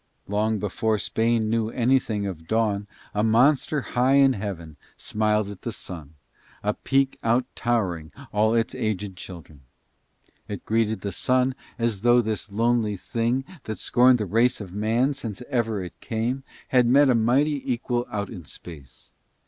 Long before Spain knew anything of dawn a monster high in heaven smiled at the sun, a peak out towering all its aged children. It greeted the sun as though this lonely thing, that scorned the race of man since ever it came, had met a mighty equal out in Space.